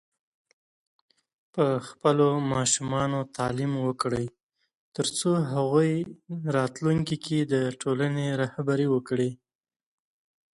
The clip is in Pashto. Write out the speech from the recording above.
په خپلو ماشومانو تعليم وکړئ، ترڅو هغوی راتلونکي کې د ټولنې رهبري وکړي.